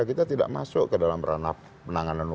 kita tidak masuk ke dalam peran penanganan hukum